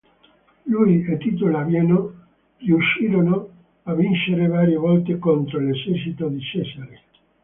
Lui e Tito Labieno riuscirono a vincere varie volte contro l'esercito di Cesare.